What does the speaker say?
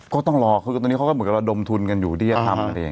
ก็ต้องรอคือตอนนี้เขาก็เหมือนกับระดมทุนกันอยู่ที่จะทำกันเอง